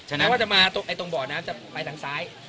หมายความว่าจะมาตรงเบาะน้ำจะไปทางซ้าย